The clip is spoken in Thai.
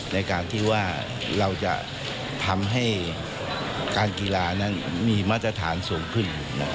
ในการที่ว่าเราจะทำให้การกีฬานั้นมีมาตรฐานสูงขึ้น